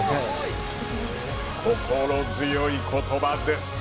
心強い言葉です。